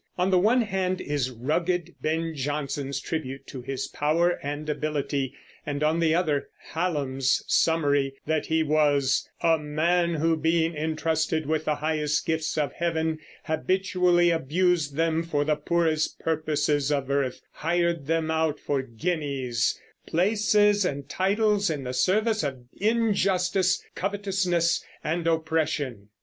On the one hand is rugged Ben Jonson's tribute to his power and ability, and on the other Hallam's summary that he was "a man who, being intrusted with the highest gifts of Heaven, habitually abused them for the poorest purposes of earth hired them out for guineas, places, and titles in the service of injustice, covetousness, and oppression."